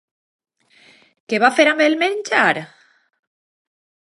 Què va fer amb el menjar?